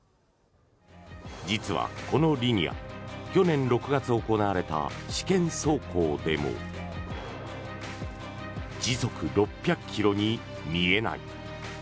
実は、このリニア去年６月に行われた試験走行でも時速６００ｋｍに見えない。